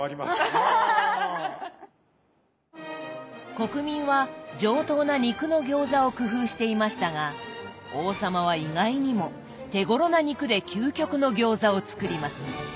国民は上等な肉の餃子を工夫していましたが王様は意外にも手ごろな肉で究極の餃子を作ります。